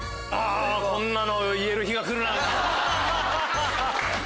こんなの言える日が来るなんて。